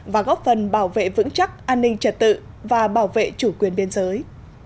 và góp phần bảo vệ vững chắc an ninh trật tự và bảo vệ chủ quyền biên giới